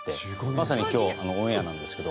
まさに今日オンエアなんですけど。